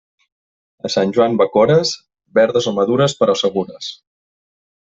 A Sant Joan, bacores; verdes o madures, però segures.